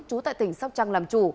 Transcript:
trú tại tỉnh sóc trăng làm chủ